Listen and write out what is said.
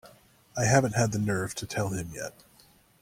I haven't had the nerve to tell him yet.